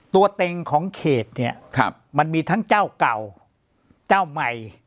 ตัวเองของเขตเนี่ยมันมีทั้งเจ้าเก่าเจ้าใหม่